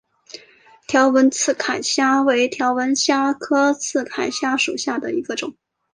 条纹刺铠虾为铠甲虾科刺铠虾属下的一个种。